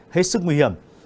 hết sức nguy hiểm